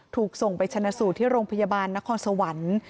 ถูกส่งไปชนะสูตรที่โรงพยาบาลนครสวรรค์